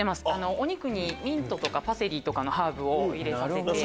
お肉にミントとかパセリとかのハーブを入れさせていただいて。